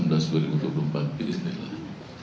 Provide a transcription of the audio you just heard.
amin ya allah